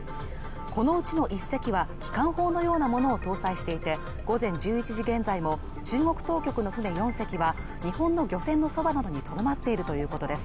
このうちの１隻は機関砲のようなものを搭載していて午前１１時現在も中国当局の船４隻は日本の漁船のそばなどにとどまっているということです